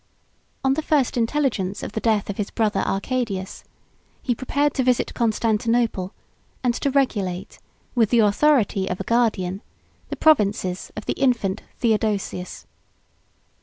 On the first intelligence of the death of his brother Arcadius, he prepared to visit Constantinople, and to regulate, with the authority of a guardian, the provinces of the infant Theodosius.